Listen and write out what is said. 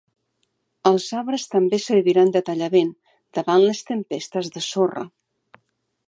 Els arbres també serviran de tallavent davant les tempestes de sorra.